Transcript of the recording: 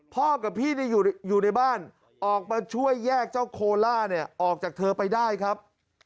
กับพี่อยู่ในบ้านออกมาช่วยแยกเจ้าโคล่าเนี่ยออกจากเธอไปได้ครับ